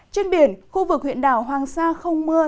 trên biển khu vực huyện đảo hoàng sa không mưa